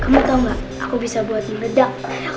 kamu tahu enggak aku bisa buat meredak aku